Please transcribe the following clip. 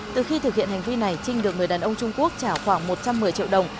từ khi thực hiện hành vi này trinh được người đàn ông trung quốc trả khoảng một trăm một mươi triệu đồng